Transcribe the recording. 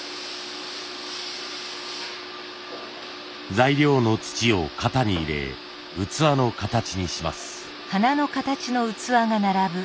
材料の土を型に入れ器の形にします。